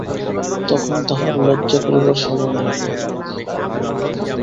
তখন তাহার লজ্জা করিবার সময় নহে।